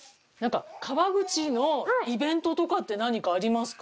川口のイベントとかって何かありますか？